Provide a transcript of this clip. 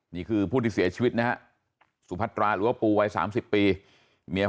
นี่คือผู้ที่เสียชีวิตสุพัตราหรือปูวัย๓๐ปี